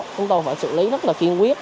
chúng tôi phải xử lý rất là kiên quyết